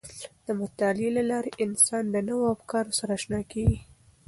د مطالعې له لارې انسان د نوو افکارو سره آشنا کیږي.